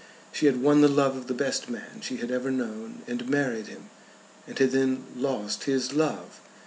She had won the love of the best man she had ever known, and married him, and had then lost his love!